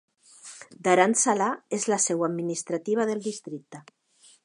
Dharamshala és la seu administrativa del districte.